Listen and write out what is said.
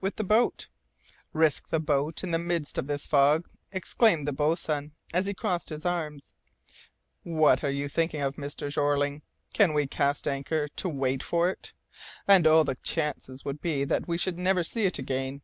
"With the boat." "Risk the boat in the midst of this fog!" exclaimed the boatswain, as he crossed his arms. "What are you thinking of, Mr. Jeorling? Can we cast anchor to wait for it? And all the chances would be that we should never see it again.